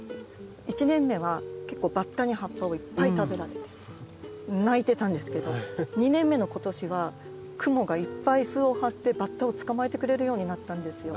１年目は結構バッタに葉っぱをいっぱい食べられて泣いてたんですけど２年目の今年はクモがいっぱい巣を張ってバッタを捕まえてくれるようになったんですよ。